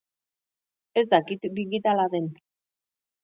Ez dakit digitala den.